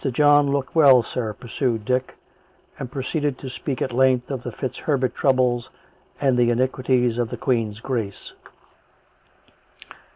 " Mr. John looked well, sir," pursued Dick, and pro ceeded to speak at length of the Fitz Herbert troubles, and the iniquities of the Queen's Grace.